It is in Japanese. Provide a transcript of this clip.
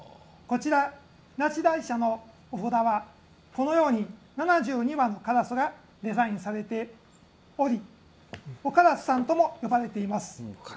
那智大社のお札はこのように７２羽のカラスがデザインされておりオカラスさんとも呼ばれています。